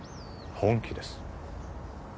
本気です